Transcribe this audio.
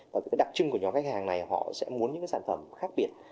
và cái đặc trưng của nhóm khách hàng này họ sẽ muốn những cái sản phẩm khác biệt